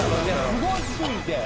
すご過ぎて。